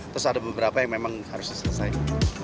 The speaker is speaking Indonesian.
terus ada beberapa yang memang harus diselesaikan